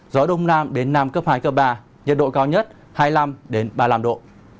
gió đông nam đến nam cấp hai cấp ba nhiệt độ cao nhất hai mươi năm ba mươi năm độ